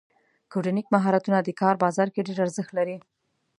کوډینګ مهارتونه د کار بازار کې ډېر ارزښت لري.